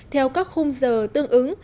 theo các khung giờ tương ứng